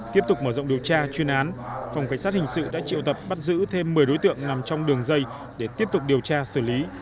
tiếp tục mở rộng điều tra chuyên án phòng cảnh sát hình sự đã triệu tập bắt giữ thêm một mươi đối tượng nằm trong đường dây để tiếp tục điều tra xử lý